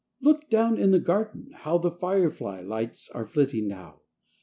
Look down in the garden how The firefly lights are flitting now!